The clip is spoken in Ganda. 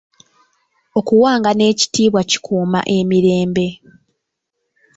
Okuwangana ekitiibwa kikuuma emirembe.